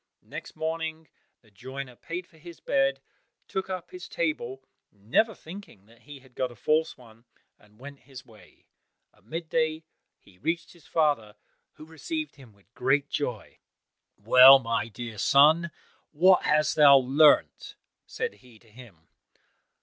Next morning, the joiner paid for his bed, took up his table, never thinking that he had got a false one, and went his way. At mid day he reached his father, who received him with great joy. "Well, my dear son, what hast thou learnt?" said he to him.